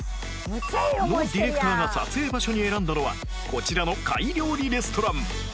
ノディレクターが撮影場所に選んだのはこちらの貝料理レストラン